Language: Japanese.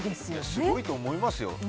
すごいと思いますよ。